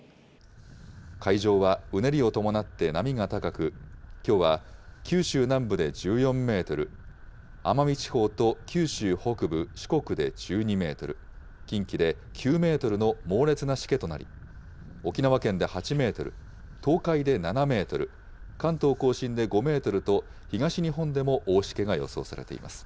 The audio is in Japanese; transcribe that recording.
海上はうねりを伴って波が高く、きょうは九州南部で１４メートル、奄美地方と九州北部、四国で１２メートル、近畿で９メートルの猛烈なしけとなり、沖縄県で８メートル、東海で７メートル、関東甲信で５メートルと、東日本でも大しけが予想されています。